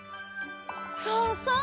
そうそう！